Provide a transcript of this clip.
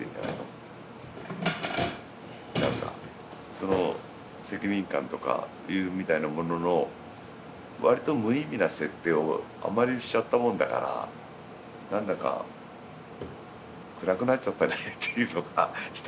その責任感とかいうみたいなもののわりと無意味な設定をあまりしちゃったもんだから何だか暗くなっちゃったねっていうのが人の歴史みたいな気がする。